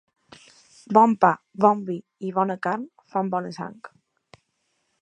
Bon pa, bon vi i bona carn fan bona sang.